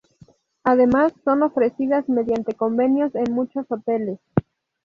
Además son ofrecidas mediante convenios en muchos hoteles.